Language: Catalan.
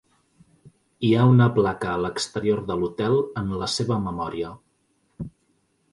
Hi ha una placa a l'exterior de l'hotel en la seva memòria.